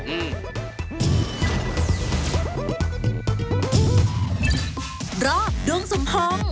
อืม